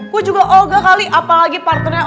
gue juga oga kali apalagi partnernya